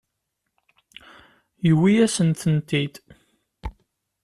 Yuwi-asen-tent-id.